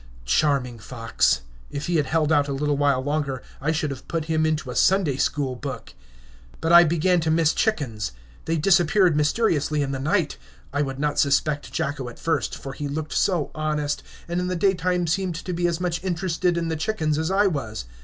Charming fox! If he had held out a little while longer, I should have put him into a Sunday school book. But I began to miss chickens. They disappeared mysteriously in the night. I would not suspect Jacko at first, for he looked so honest, and in the daytime seemed to be as much interested in the chickens as I was.